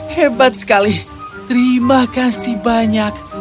hebat sekali terima kasih banyak